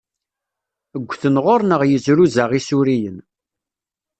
Ggten ɣur-neɣ yizruzaɣ isuriyen.